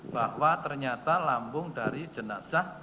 bahwa ternyata lambung dari jenazah